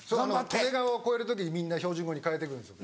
利根川を越える時にみんな標準語に変えていくんですよ。